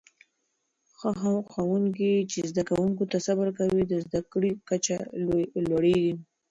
هغه ښوونکي چې زده کوونکو ته صبر کوي، د زده کړې کچه لوړېږي.